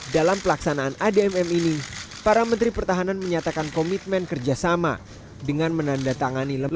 dalam pelaksanaan admm ini para menteri pertahanan menyatakan komitmen kerjasama dengan menandatangani lembaga